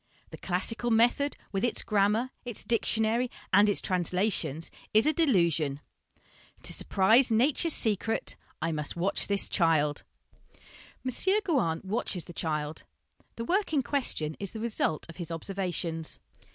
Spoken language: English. The classical method, with its grammar, its dictionary, and its translations, is a delusion." " To surprise Nature's secret, I must watch this child." M. Gouin watches the child the work in question is the result of his observations.